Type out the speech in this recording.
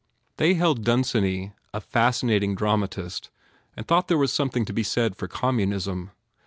They held Dunsany a fascinating dram atist and thought there was something to be said for communism.